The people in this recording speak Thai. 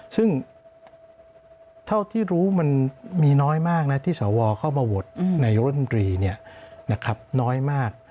ซึ่งเท่าที่รู้มันมีน้อยมากนะที่สวเข้ามาวดในร่วมดรีนี้นะครับน้อยมาก